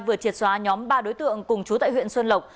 vừa triệt xóa nhóm ba đối tượng cùng chú tại huyện xuân lộc